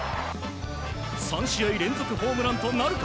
３試合連続ホームランとなるか？